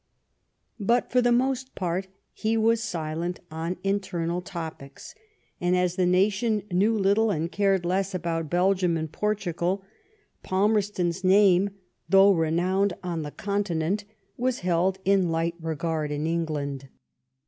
But for the most part he was silent on internal topics ; and as the nation knew little, and cared less, about Belgium and Portugal, Palmerstons name, though renowned on the Continent, was held in light regard in England.